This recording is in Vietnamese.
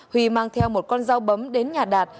huy mang theo một con dao bấm đến nhà đạt